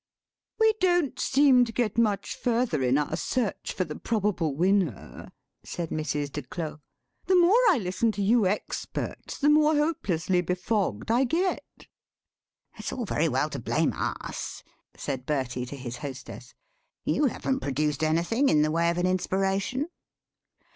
"We don't seem to get much further in our search for the probable winner," said Mrs. de Claux; "the more I listen to you experts the more hopelessly befogged I get." "It's all very well to blame us," said Bertie to his hostess; "you haven't produced anything in the way of an inspiration."